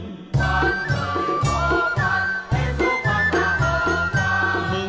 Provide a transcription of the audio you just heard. thế thô quang đã thô quang